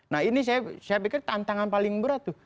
nah ini saya pikir tantangan paling berat tuh